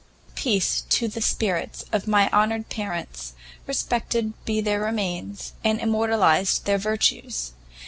"Peace to the spirits of my honoured parents, respected be their remains, and immortalized their virtues!